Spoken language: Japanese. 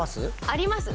あります